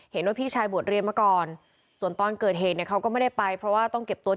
เห็นว่าพี่ชายบวชเรียนมาก่อนส่วนตอนเกิดเหตุเนี่ยเขาก็ไม่ได้ไปเพราะว่าต้องเก็บตัว